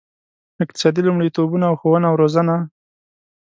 اقتصادي لومړیتوبونه او ښوونه او روزنه.